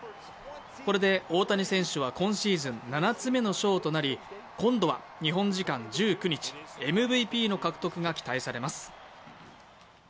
これで大谷選手は今シーズン７つ目の賞となり今度は日本時間１９日ＭＶＰの獲得が期待されます。